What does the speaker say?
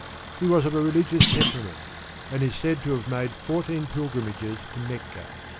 He was of a religious temperament and is said to have made fourteen pilgrimages to Mecca.